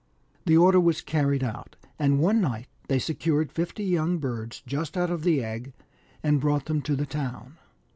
The order was carried out, and one night they secured fifty young birds just out of the egg, and brought them to the town.